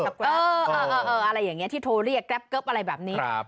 เออเออเออเอออะไรอย่างเงี้ยที่โทรเรียกอะไรแบบนี้ครับ